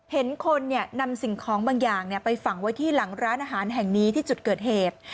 เห็นคนนำสิ่งของบางอย่างไปฝังไว้ที่หลังร้านอาหารแห่งนี้ที่จุดเกิดเหตุ